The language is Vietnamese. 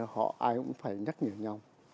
họ ai cũng phải nhắc nhở nhau